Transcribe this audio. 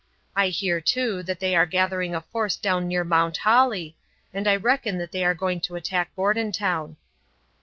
I hear, too, that they are gathering a force down near Mount Holly, and I reckon that they are going to attack Bordentown."